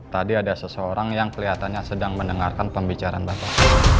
tadi ada seseorang yang kelihatannya sedang mendengarkan pembicaraan bapak